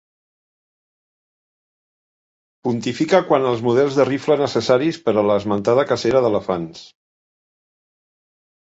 Pontifique quant als models de rifle necessaris per a l’esmentada cacera d'elefants.